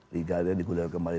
liga ini digulir kembali